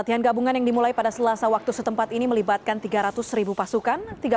latihan gabungan yang dimulai pada selasa waktu setempat ini melibatkan tiga ratus ribu pasukan